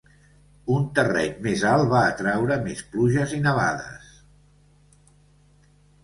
Un terreny més alt va atraure més pluges i nevades.